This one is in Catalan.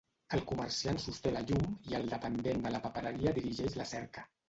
El comerciant sosté la llum i el dependent de la papereria dirigeix la cerca.